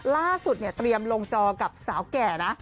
ล่าสุดเนี่ยเตรียมลงจอกับสาวแก่นะ